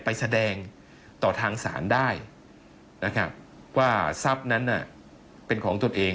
ไปแสดงต่อทางสารได้ว่าทรัพย์นั้นเป็นของจนเอง